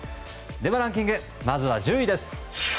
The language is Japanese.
ではランキングまずは１０位です。